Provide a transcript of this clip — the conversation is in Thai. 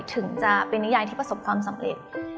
ถึงจะเป็นนิยายที่ประสบความสำเร็จ